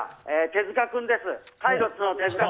手塚です